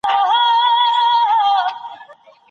تاسو باید د بېوزلو خلګو لاسنیوی وکړئ.